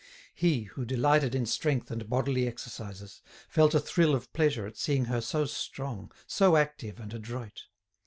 He, who delighted in strength and bodily exercises, felt a thrill of pleasure at seeing her so strong, so active and adroit.